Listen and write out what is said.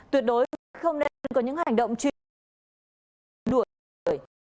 tuyệt đối không nên có những hành động chuyển đuổi